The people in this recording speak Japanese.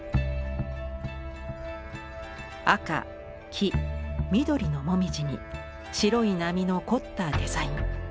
赤黄緑の紅葉に白い波の凝ったデザイン。